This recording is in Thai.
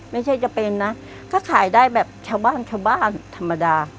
ไม่ใช่จะเป็นนะก็ขายได้แบบชาวบ้านชาวบ้านธรรมดา